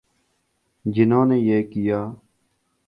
جنہوں نے یہ کیا۔